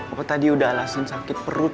apa tadi udah alasan sakit perut